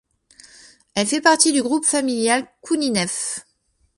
Elle fait partie du groupe familial Kouninef.